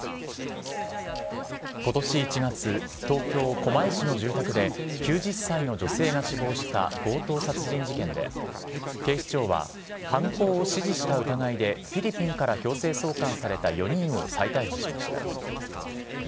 ことし１月、東京・狛江市の住宅で、９０歳の女性が死亡した強盗殺人事件で、警視庁は、犯行を指示した疑いでフィリピンから強制送還された４人を再逮捕しました。